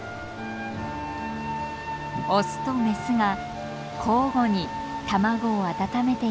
オスとメスが交互に卵を温めています。